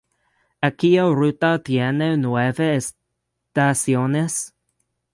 Aquella ruta tiene nueve estaciones.